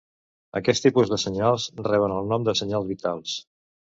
Aquest tipus de senyals reben el nom de senyals vitals.